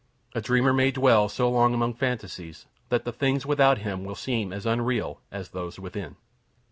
A dreamer may dwell so long among fantasies, that the things without him will seem as unreal as those within.